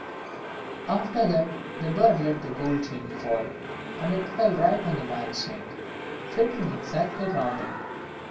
After that, the bird let the gold chain fall, and it fell right on to the man's neck, fitting exactly round it.